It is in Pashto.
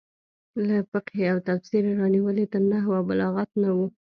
له فقهې او تفسیره رانیولې تر نحو او بلاغته نه وو.